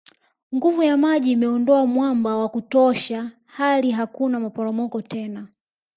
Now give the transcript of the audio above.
Nguvu ya maji imeondoa mwamba wa kutosha hali hakuna maporomoko tena